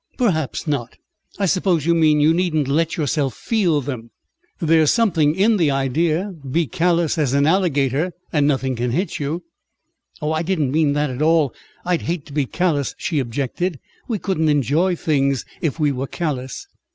"Perhaps not. I suppose you mean you needn't let yourself feel them. There's something in the idea: be callous as an alligator and nothing can hit you." "I don't mean that at all. I'd hate to be callous," she objected. "We couldn't enjoy things if we were callous."